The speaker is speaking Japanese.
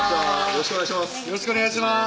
よろしくお願いします